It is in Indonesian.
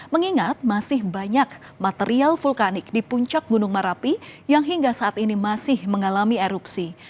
mengingat masih banyak material vulkanik di puncak gunung merapi yang hingga saat ini masih mengalami erupsi